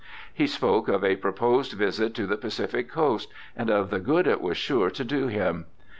He spoke of a proposed visit to the Pacific Coast, and of the good it was sure to do him.